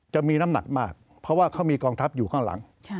จะมีน้ำหนักมากเพราะว่าเขามีกองทัพอยู่ข้างหลัง